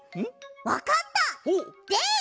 わかった！